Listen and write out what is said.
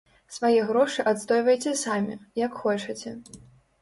Свае грошы адстойвайце самі, як хочаце.